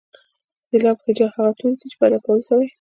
سېلاب هجا هغه توري دي چې په ادا کولو سره.